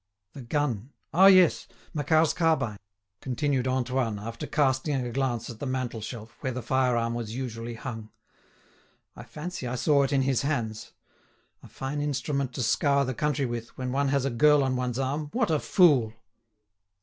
"The gun? Ah! yes; Macquart's carbine," continued Antoine, after casting a glance at the mantel shelf, where the fire arm was usually hung. "I fancy I saw it in his hands. A fine instrument to scour the country with, when one has a girl on one's arm. What a fool!"